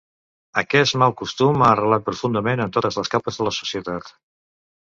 Aquest mal costum ha arrelat profundament en totes les capes de la societat.